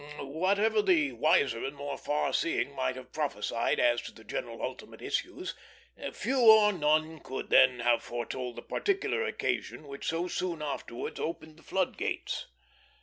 Whatever the wiser and more far seeing might have prophesied as to the general ultimate issues, few or none could then have foretold the particular occasion which so soon afterwards opened the floodgates.